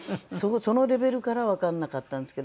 そのレベルからわからなかったんですけど。